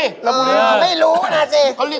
เออไม่รู้น่ะสิ